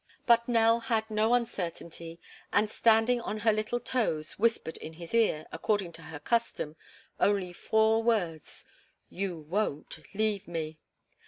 But Nell had no uncertainty, and, standing on her little toes, whispered in his ear, according to her custom, only four words: "You won't leave me!"